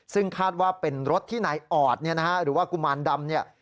ซึ่งคาดว่าเป็นรถที่นายออดหรือว่ากุมารดำ